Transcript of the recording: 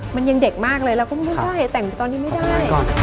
มันยังเด็กมากเลยเราก็ไม่ได้แต่งตอนนี้ไม่ได้